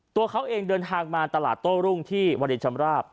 ตัวเขาเองเดินทางมาตลาดโต้รุ่งที่วรินชำราบ